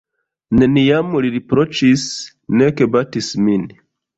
Neniam li riproĉis, nek batis min.